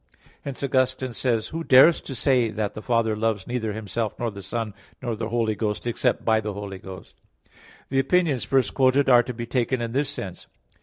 Hence Augustine says (De Trin. xv, 7): "Who dares to say that the Father loves neither Himself, nor the Son, nor the Holy Ghost, except by the Holy Ghost?" The opinions first quoted are to be taken in this sense.